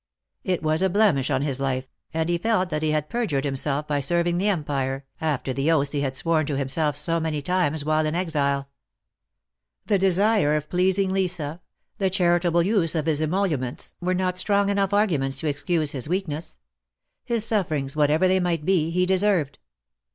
It was a blemish on his life, and he felt that he had perjured himself by serving the Empire, after the oaths he had sworn to him self so many times while in exile. The desire of pleasing Lisa, the charitable use of his emoluments, were not strong enough arguments to excuse his weakness. His sufferings, whatever they might be, he deserved.